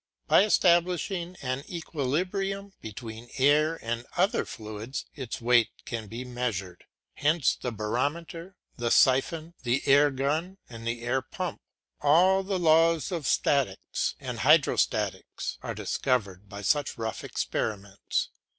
By establishing an equilibrium between air and other fluids its weight can be measured, hence the barometer, the siphon, the air gun, and the air pump. All the laws of statics and hydrostatics are discovered by such rough experiments.